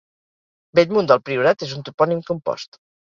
Bellmunt del Priorat és un topònim compost.